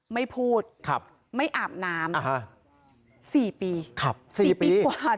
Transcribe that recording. ไม่พูดครับไม่อาบน้ำอ่าฮะสี่ปีครับสี่ปีกว่า